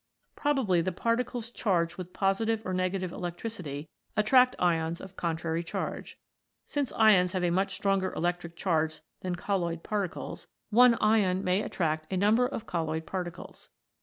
Probably the particles charged with positive or negative electricity attract ions of the contrary charge. Since ions have a much stronger electric charge than colloid particles, one ion may attract a number of colloid particles.